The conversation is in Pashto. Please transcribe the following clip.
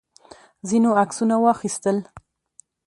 ځینو عکسونه واخیستل.